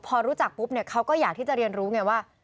พอรู้จักปุ๊บเนี่ยเขาก็อยากที่จะเรียนรู้ไงว่า